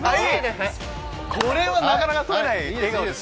これはなかなか撮れない笑顔ですよ。